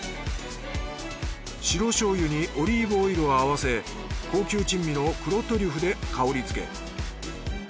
白しょうゆにオリーブオイルを合わせ高級珍味の黒トリュフで香りづけ。